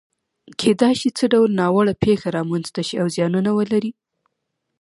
کېدای شي څه ډول ناوړه پېښې رامنځته شي او زیانونه ولري؟